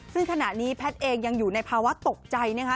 ซึ่งขณะนี้แพทย์เองยังอยู่ในภาวะตกใจนะคะ